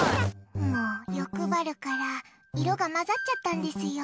もう、欲張るから色が混ざっちゃったんですよ。